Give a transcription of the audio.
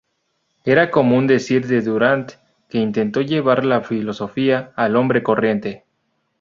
Era común decir de Durant que intentó llevar la filosofía al hombre corriente.